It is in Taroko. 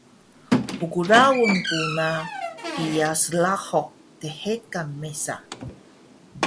pklaun ku na iya srahuq dhekan mesa